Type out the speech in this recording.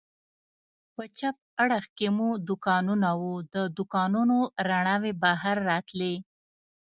په چپ اړخ کې مو دوکانونه و، د دوکانونو رڼاوې بهر راتلې.